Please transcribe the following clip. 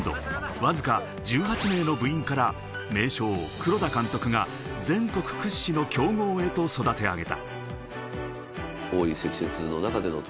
わずか１８名の部員から名将・黒田監督が、全国屈指の強豪へと育て上げた。